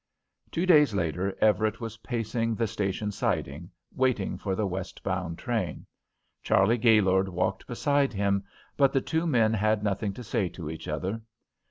Two days later Everett was pacing the station siding, waiting for the west bound train. Charley Gaylord walked beside him, but the two men had nothing to say to each other.